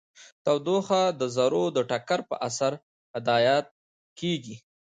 تودوخه د ذرو د ټکر په اثر هدایت کیږي.